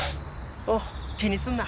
うん気にすんな。